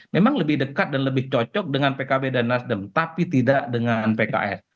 memang lebih dekat dan lebih cocok dengan pkb dan nasdem tapi tidak dengan pks